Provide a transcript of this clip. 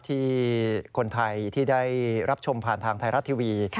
ที่คนไทยที่ได้รับชมผ่านทางไทยรัฐทีวี